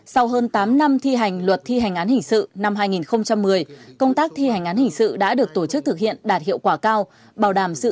sau hơn tám năm thi hành luật thi hành án hình sự năm hai nghìn một mươi công tác thi hành án hình sự đã được tổ chức thực hiện đạt hiệu quả cao